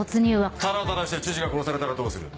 たらたらして知事が殺されたらどうする？